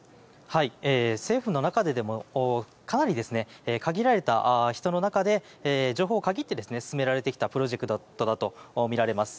政府の中でもかなり限られた人の中で情報を限って進められたプロジェクトだとみられます。